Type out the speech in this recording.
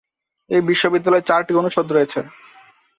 এই বিশ্ববিদ্যালয়ে চারটি অনুষদ রয়েছে।